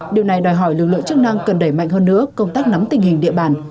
điều này đòi hỏi lực lượng chức năng cần đẩy mạnh hơn nữa công tác nắm tình hình địa bàn